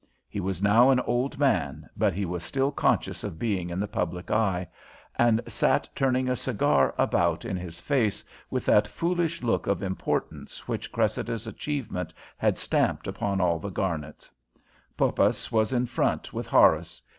He was now an old man, but he was still conscious of being in the public eye, and sat turning a cigar about in his face with that foolish look of importance which Cressida's achievement had stamped upon all the Garnets. Poppas was in front, with Horace.